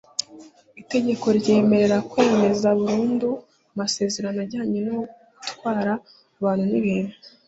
Itegeko ryemerera kwemeza burundu amasezerano ajyanye no gutwara abantu n ibintu